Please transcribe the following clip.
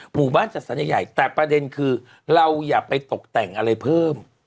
หมู่บ้านจัดสรรใหญ่แต่ประเด็นคือเราอย่าไปตกแต่งอะไรเพิ่ม